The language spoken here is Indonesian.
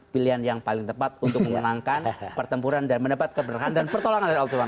pilihan yang paling tepat untuk mengenangkan pertempuran dan mendapat keberanian dan pertolongan dari ulama